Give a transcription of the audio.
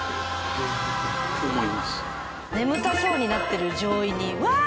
眠たそうになってる乗員に「ワー！！」